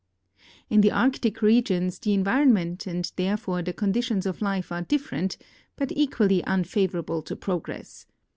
In the Arctic regions the environment and therefore the con ditions of life are different, but equally unfavorable to progress.